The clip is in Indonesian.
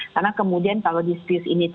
karena kemudian kalau dispute ini